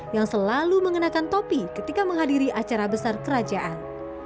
yang selalu mengenakan topi ketika menghadiri acara besar kerajaan